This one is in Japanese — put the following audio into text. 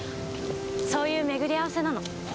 そういう巡り合わせなの。